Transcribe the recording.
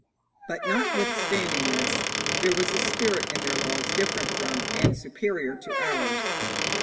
But, notwithstanding this, there was a spirit in their laws different from and superior to ours.